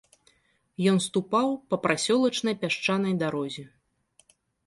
Ён ступаў па прасёлачнай пясчанай дарозе.